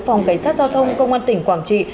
phòng cảnh sát giao thông công an tỉnh quảng trị